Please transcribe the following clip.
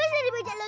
masih kelewatan cang